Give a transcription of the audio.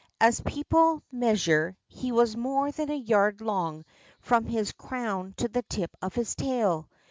As people measure, he was more than a yard long from his crown to the tip of his tail.